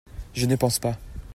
Je ne pense pas.